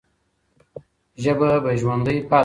ژبه به ژوندۍ پاتې سي.